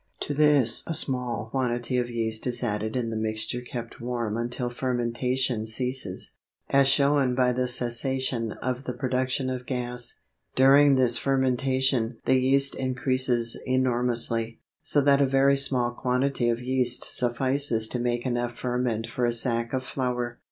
To this a small quantity of yeast is added and the mixture kept warm until fermentation ceases, as shown by the cessation of the production of gas. During this fermentation the yeast increases enormously, so that a very small quantity of yeast suffices to make enough ferment for a sack of flour.